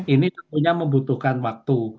ini tentunya membutuhkan waktu